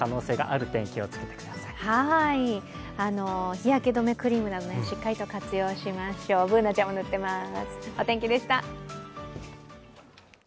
日焼け止めクリームなど活用しましょうＢｏｏｎａちゃんも塗ってます。